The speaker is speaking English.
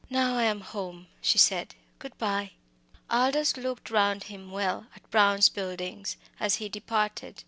"Now I am home," she said. "Good bye!" Aldous looked round him well at Brown's Buildings as he departed.